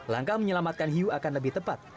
langkah menyelamatkan hiu akan lebih tepat